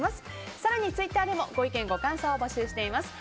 更にツイッターでもご意見、ご感想を募集しています。